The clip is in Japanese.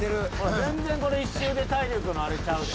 全然この１周で体力のあれちゃうで。